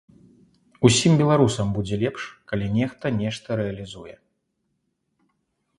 Усім беларусам будзе лепш, калі нехта нешта рэалізуе.